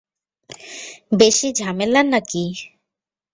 বেশি ঝামেলার নাকি?